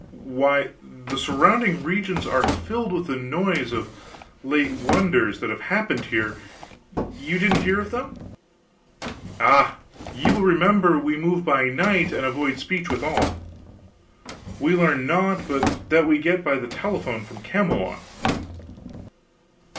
"Why, the surrounding regions are filled with the noise of late wonders that have happened here! You didn't hear of them?" "Ah, ye will remember we move by night, and avoid speech with all. We learn naught but that we get by the telephone from Camelot."